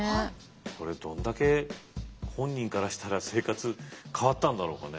これどんだけ本人からしたら生活変わったんだろうかね？